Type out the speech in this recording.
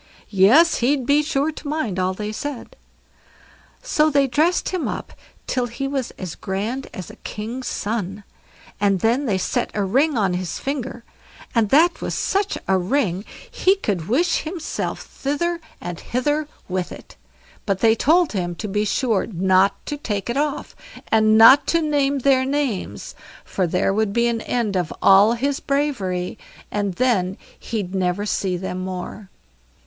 Yes, he'd be sure to mind all they said. So they dressed him up till he was as grand as a king's son, and then they set a ring on his finger, and that was such a ring, he could wish himself thither and hither with it; but they told him to be sure not to take it off, and not to name their names, for there would be an end of all his bravery, and then he'd never see them more.